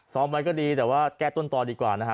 ไว้ก็ดีแต่ว่าแก้ต้นต่อดีกว่านะฮะ